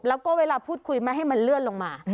แล้วก็เวลาพูดคุยไม่ให้มันเลื่อนลงมา